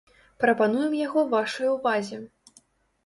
Прапануем яго вашай увазе.